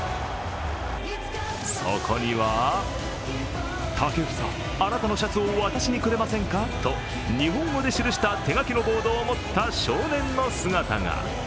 そこには「武房あなたのシャツを私にくれませんか？」と日本語で記した手書きのボードを持った少年の姿が。